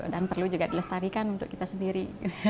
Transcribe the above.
dan perlu juga dilestarikan untuk kita sendiri